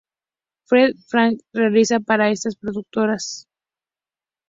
Freddie Francis realizaría para esta productora: "Dr.